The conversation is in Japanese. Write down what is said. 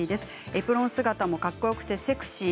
エプロン姿もかっこよくてセクシー。